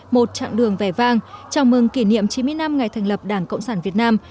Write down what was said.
một chặng đường vẻ vang chào mừng kỷ niệm chín mươi năm ngày thành lập đảng cộng sản việt nam